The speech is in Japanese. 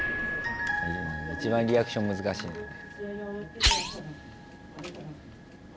一番リアクション難しいんだよね。